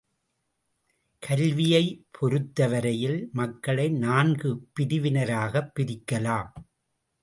கல்வியைப் பொருத்தவரையில் மக்களை நான்கு பிரிவினராகப் பிரிக்கலாம்.